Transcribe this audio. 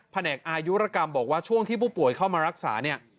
แหนกอายุรกรรมบอกว่าช่วงที่ผู้ป่วยเข้ามารักษาเนี่ย